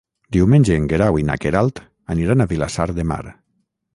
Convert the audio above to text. Diumenge en Guerau i na Queralt aniran a Vilassar de Mar.